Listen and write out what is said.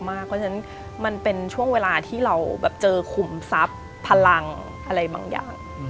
เพราะฉะนั้นมันเป็นช่วงเวลาที่เราเจอขุมทรัพย์พลังอะไรบางอย่าง